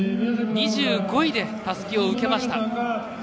２５位でたすきを受けました。